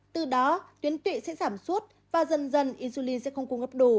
từ đó tuyến tụy sẽ giảm suốt và dần dần insulin sẽ không cung gấp đủ